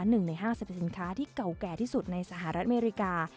หนึ่งในห้างสรรพสินค้าที่เก่าแก่ที่สุดในสหรัฐอเมริกา